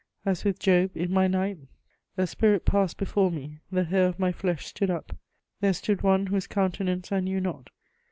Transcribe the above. As with Job, in my night "a spirit passed before me, the hair of my flesh stood up. There stood one whose countenance I knew not